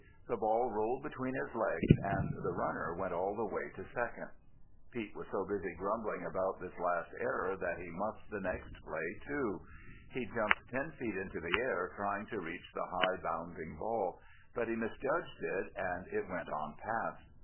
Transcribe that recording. The ball rolled between his legs and the runner went all the way to second. Pete was so busy grumbling about his last error that he muffed the next play too. He jumped ten feet into the air trying to reach the high, bounding ball, but he misjudged it and it went on past.